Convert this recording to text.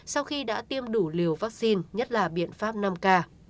sau khi đã tiêm đủ liều vaccine nhất là biện pháp năm k